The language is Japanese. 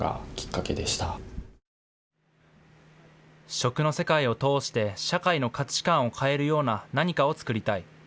食の世界を通して社会の価値観を変えるような何かを作りたい。